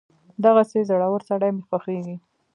دغسې زړور سړی مې خوښېږي.